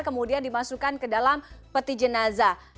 kemudian dimasukkan ke dalam peti jenazah